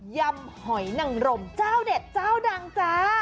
ยำหอยนังรมเจ้าเด็ดเจ้าดังจ้า